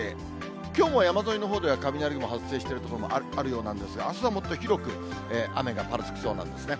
きょうも山沿いのほうでは雷雲発生している所あるようなんですが、あすはもっと広く雨がぱらつきそうなんですね。